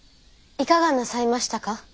いかがなさいましたか？